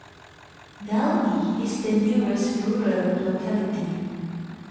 Dalny is the nearest rural locality.